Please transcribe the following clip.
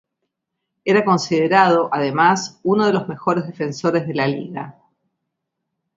Era considerado, además, uno de los mejores defensores de la Liga.